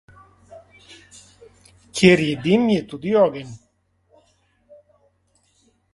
Kjer je dim, je tudi ogenj.